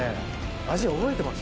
味覚えてます？